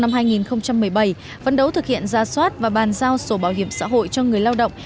năm hai nghìn một mươi bảy phấn đấu thực hiện ra soát và bàn giao sổ bảo hiểm xã hội cho người lao động